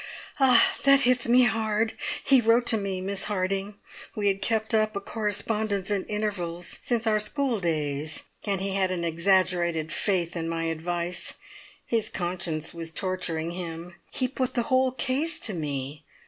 "Ah! that hits me hard. He wrote to me, Miss Harding we had kept up a correspondence at intervals since our school days and he had an exaggerated faith in my advice. His conscience was torturing him. He put the whole case to me.